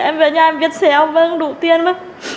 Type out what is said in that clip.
em về nhà em viết xe ông vân đủ tiền mà